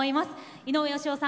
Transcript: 井上芳雄さん